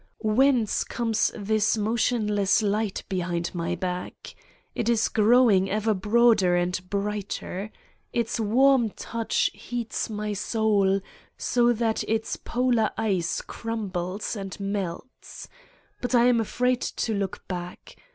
Whence comes this motionless light behind my back! It is growing ever broader and brighter. Its warm touch heats my soul, so that its Polar ice crumbles and melts. But I am afraid to look back.